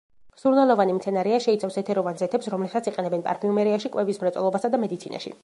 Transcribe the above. სურნელოვანი მცენარეა, შეიცავს ეთეროვან ზეთებს, რომლებსაც იყენებენ პარფიუმერიაში, კვების მრეწველობასა და მედიცინაში.